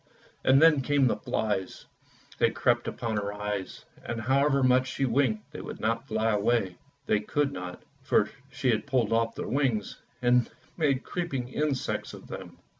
And then came the flies, they crept upon her eyes, and however much she winked they would not fly away; they could not, for she had pulled off their wings and made creeping insects of them.